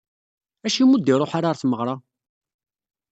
Acimi ur d-iruḥ ara ɣer tmeɣra?